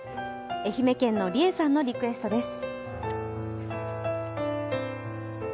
愛媛県のりえさんのリクエストです。